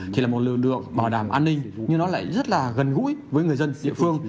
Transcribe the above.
thì là một lực lượng bảo đảm an ninh nhưng nó lại rất là gần gũi với người dân địa phương